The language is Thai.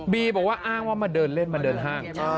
บอกว่าอ้างว่ามาเดินเล่นมาเดินห้าง